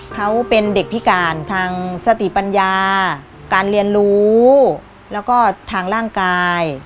เขาเป็นเด็กพิการทางสติปัญญาการเรียนรู้แล้วก็ทางร่างกาย